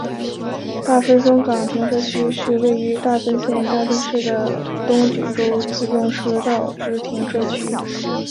大分松冈停车区是位于大分县大分市的东九州自动车道之停车区。